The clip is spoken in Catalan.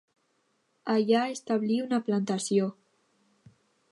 Allà establí una plantació.